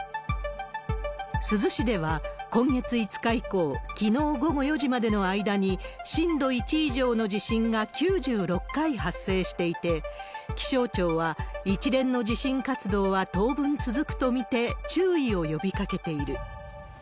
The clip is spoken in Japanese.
珠洲市では今月５日以降、きのう午後４時までの間に震度１以上の地震が９６回発生していて、気象庁は一連の地震活動は当分続くと見て注意を呼びかけている。